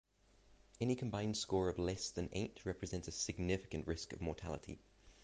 Any combined score of less than eight represents a significant risk of mortality.